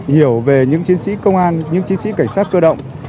hiểu về những chiến sĩ công an những chiến sĩ cảnh sát cơ động